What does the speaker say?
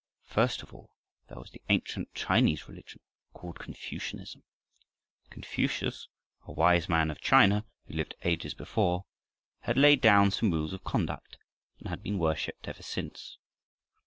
First of all there was the ancient Chinese religion, called Confucianism. Confucius, a wise man of China, who lived ages before, had laid down some rules of conduct, and had been worshiped ever since.